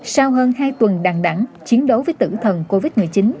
sau hơn hai tuần đàng đẳng chiến đấu với tử thần covid một mươi chín